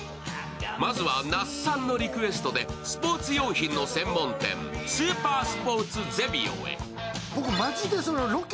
まずは、那須さんのリクエストでスポーツ用品専門店、スーパースポーツゼビオへ。